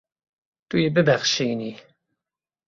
Tu yê bibexşînî.